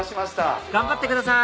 頑張ってください